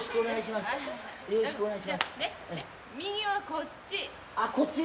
右はこっち。